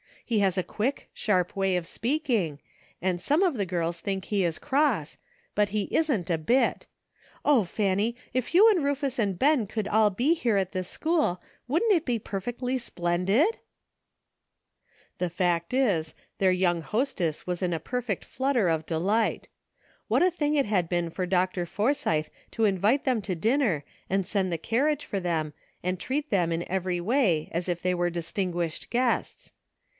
He has a quick, sharp way of speaking, and some of the girls think he is cross ; but he isn't, a bit. O, Fanny ! if you 282 ENTERTAINING COMPANY. and Rufus and Ben could all be here at this school wouldn't it be perfectly splendid ?" The fact is^ their young hostess was in a perfect flutter of delight. What a thing it had been for Dr. Forsythe to invite them to dinner and send the carriage for them and treat them* in evei*y way as if they were distinguished guests